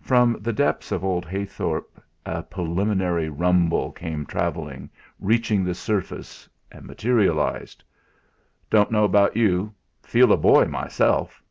From the depths of old Heythorp a preliminary rumble came travelling, reached the surface, and materialised "Don't know about you feel a boy, myself."